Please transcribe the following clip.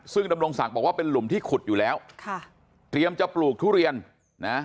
ซึ่งดำรงศักดิ์บอกว่าเป็นหลุมที่ขุดอยู่แล้วค่ะเตรียมจะปลูกทุเรียนนะ